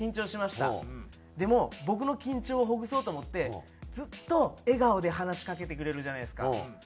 でも僕の緊張をほぐそうと思ってずっと笑顔で話しかけてくれるじゃないですか。